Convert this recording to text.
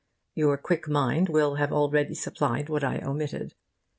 Your quick mind will have already supplied what I omitted.